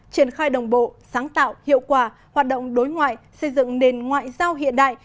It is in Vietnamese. triển khai đồng bộ sáng tạo hiệu quả hoạt động đối ngoại xây dựng nền ngoại giao hiện đại